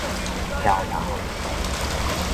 標頭